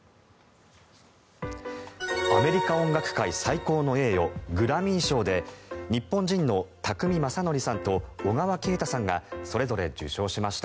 アメリカ音楽界最高の栄誉グラミー賞で日本人の宅見将典さんと小川慶太さんがそれぞれ受賞しました。